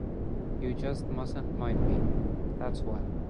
You just mustn’t mind me, that’s what.